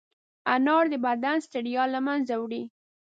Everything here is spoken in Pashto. انار د بدن ستړیا له منځه وړي.